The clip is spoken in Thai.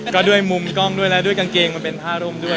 ก็ด้วยมุมกล้องด้วยและด้วยกางเกงมันเป็นผ้าร่มด้วย